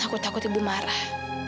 aku takut ibu marah